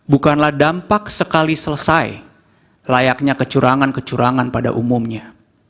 bukanlah dampak sekali selesai layaknya kecurangan kecurangan pada umumnya